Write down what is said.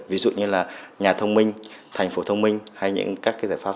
ví dụ như là nhà thông minh thành phố thông minh hay những các giải pháp